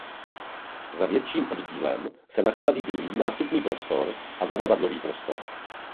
Za větším oddílem se nachází druhý nástupní prostor a zavazadlový prostor.